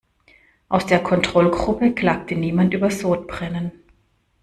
Aus der Kontrollgruppe klagte niemand über Sodbrennen.